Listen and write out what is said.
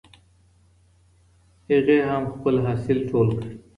هغې هم خپل حاصل ټول کړ.